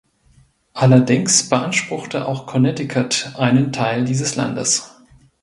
Allerdings beanspruchte auch Connecticut einen Teil dieses Landes.